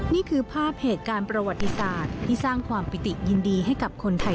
นี่คือภาพเหตุการณ์ประวัติศาสตร์ที่สร้างความปิติยินดีให้กับคนไทย